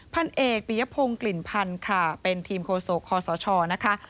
พันเอกปียภงกลิ่นพันค่ะเป็นทีมโครโสกคอสชนะคะ